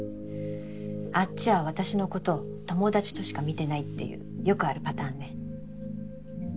あっちは私のこと友達としか見てないっていうよくあるパターンね。